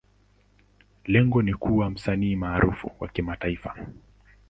Lengo ni kuwa msanii maarufu wa kimataifa.